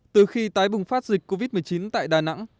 từ khi tái bùng phát dịch covid một mươi chín tại đà nẵng